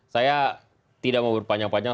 saya tidak mau berpanjang panjang